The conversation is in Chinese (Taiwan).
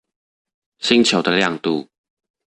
星球的亮度